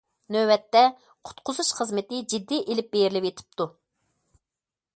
نۆۋەتتە، قۇتقۇزۇش خىزمىتى جىددىي ئېلىپ بېرىلىۋېتىپتۇ.